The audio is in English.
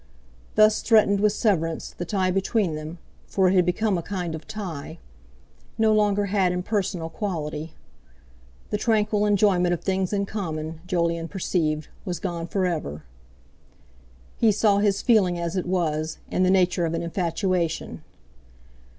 Thus threatened with severance, the tie between them—for it had become a kind of tie—no longer had impersonal quality. The tranquil enjoyment of things in common, Jolyon perceived, was gone for ever. He saw his feeling as it was, in the nature of an infatuation.